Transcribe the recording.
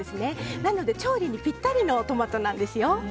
なので調理にぴったりのトマトなんですよ。